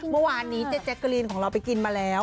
เมื่อวานนี้เจ๊แจ๊กกะรีนของเราไปกินมาแล้ว